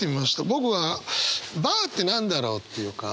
僕はＢＡＲって何だろうっていうか。